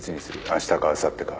あしたかあさってか。